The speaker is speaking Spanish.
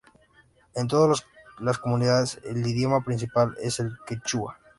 En todas las comunidades el idioma principal es el quechua.